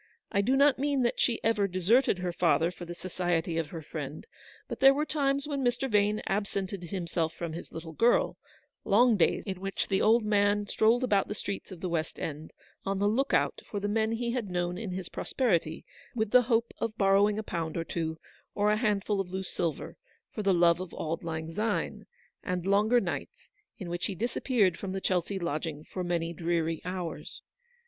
I do not 102 mean that she ever deserted her father for the society of her friend ; but there were times when Mr. Vane absented himself from his little girl ; long days, in which the old man strolled about the streets of the West End, on the look out for the men he had known in his prosperity, with the hope of borrowing a pound or two, or a hand ful of loose silver, for the love of Auld Lang Syne ; and longer nights, in which he disap peared from the Chelsea lodgiDg for many dreary hours.